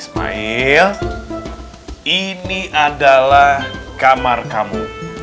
ismail ini adalah kamar kamu